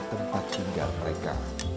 tempat tinggal mereka